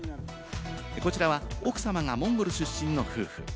こちらは奥様がモンゴル出身の夫婦。